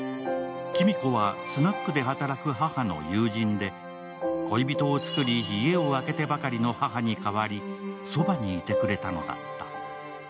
黄美子はスナックで働く母の友人で、恋人を作り家を空けてばかりの母に代わりそばにいてくれたのだった。